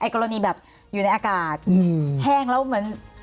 กรณีแบบอยู่ในอากาศแห้งแล้วเหมือน